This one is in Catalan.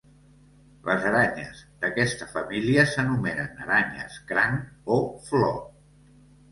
Les aranyes d'aquesta família s'anomenen aranyes "cranc" o "flor".